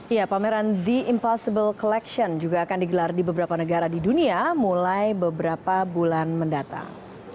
ya pameran the impossible collection juga akan digelar di beberapa negara di dunia mulai beberapa bulan mendatang